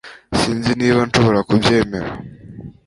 Sinzi niba nshobora kubyemera